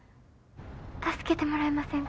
助けてもらえませんか？